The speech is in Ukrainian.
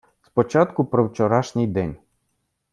Спочатку про вчорашній день.